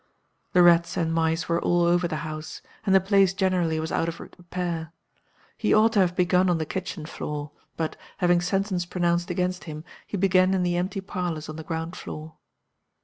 "The rats and mice were all over the house, and the place generally was out of repair. He ought to have begun on the kitchen floor; but (having sentence pronounced against him) he began in the empty parlors on the ground floor.